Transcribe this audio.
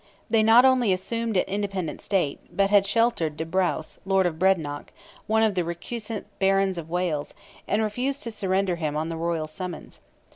They not only assumed an independent state, but had sheltered de Braos, Lord of Brecknock, one of the recusant Barons of Wales, and refused to surrender him on the royal summons.